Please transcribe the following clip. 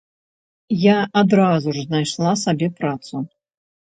Я адразу ж знайшла сабе працу.